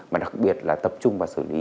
mà đặc biệt là tập trung vào xử lý